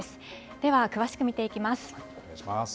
では、詳しく見ていきます。